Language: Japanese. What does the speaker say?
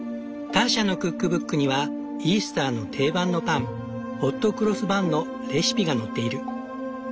ターシャのクックブックにはイースターの定番のパン「ホットクロスバン」のレシピが載っている。